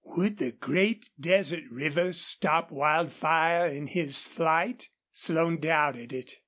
Would the great desert river stop Wildfire in his flight? Slone doubted it.